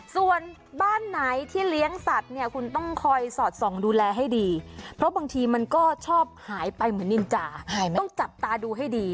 ส่วนบ้านไหนที่เลี้ยงสัตว์เนี่ยคุณต้องคอยสอดส่องดูแลให้ดีเพราะบางทีมันก็ชอบหายไปเหมือนนินจาต้องจับตาดูให้ดี